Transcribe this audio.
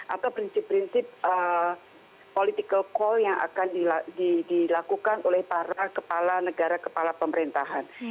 atau prinsip prinsip political call yang akan dilakukan oleh para kepala negara kepala pemerintahan